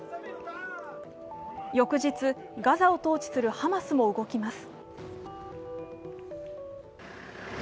翌日、ガザを統治するハマスも動きます。